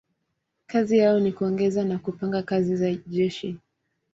Kazi yao ni kuongoza na kupanga kazi ya jeshi.